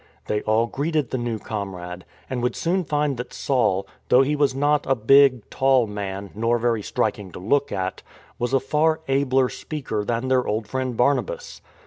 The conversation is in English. They all greeted the new comrade, and would soon find that Saul, though he was not a big, tall man, nor very striking to look at, was a far abler speaker than their old friend Barnabas.